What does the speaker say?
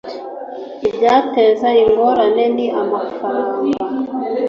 ibyateza ingorane ni mafaranga